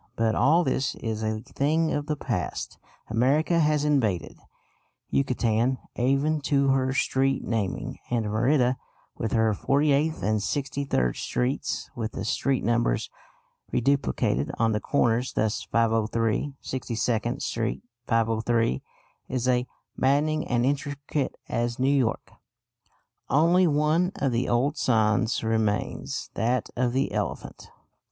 But all this is a thing of the past. America has invaded Yucatan even to her street naming, and Merida, with her 48th and 63rd Streets, with the street numbers reduplicated on the corners thus: 503, 62nd Street, 503, is as maddening and intricate as New York. Only one of the old signs remains, that of the elephant.